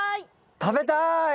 食べたい！